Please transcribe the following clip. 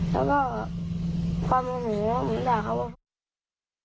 แล้วก็ความอโหแล้วผมก็ด่าเขาว่า